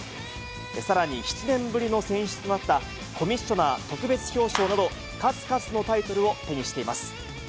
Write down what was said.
さらに、７年ぶりの選出となった、コミッショナー特別表彰など、数々のタイトルを手にしています。